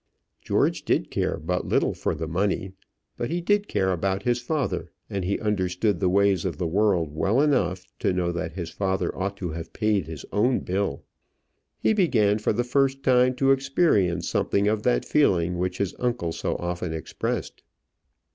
George did care but little for the money, but he did care about his father; and he understood the ways of the world well enough to know that his father ought to have paid his own bill. He began for the first time to experience something of that feeling which his uncle so often expressed.